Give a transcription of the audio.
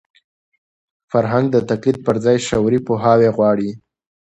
فرهنګ د تقلید پر ځای شعوري پوهاوی غواړي.